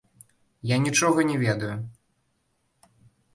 Я нічога не ведаю!